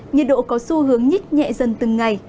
nhiệt độ có xu hướng nhít nhẹ dần từng ngày